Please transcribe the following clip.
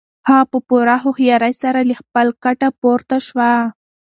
هغه په پوره هوښیارۍ سره له خپل کټه پورته شو.